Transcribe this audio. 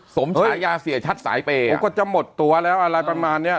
ฉายาเสียชัดสายเปย์เขาก็จะหมดตัวแล้วอะไรประมาณเนี้ย